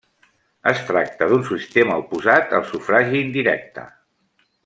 Es tracta d'un sistema oposat al sufragi indirecte.